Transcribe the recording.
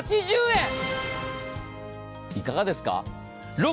いかがですか？